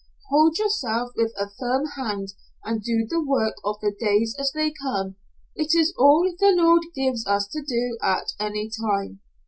"Hold yourself with a firm hand, and do the work of the days as they come. It's all the Lord gives us to do at any time.